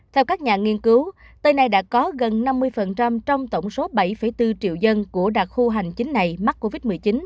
theo các nhà nghiên cứu tới nay đã có gần năm mươi trong tổng số bảy bốn triệu dân của đặc khu hành chính này mắc covid một mươi chín